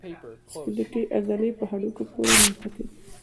سکلیټي عضلې په هډوکو پورې نښتي دي.